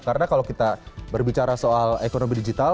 karena kalau kita berbicara soal ekonomi digital